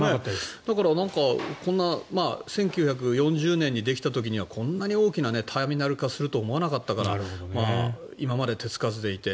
だから１９４０年にできた時にはこんなに大きなターミナル化するって思わなかったから今まで手つかずでいて。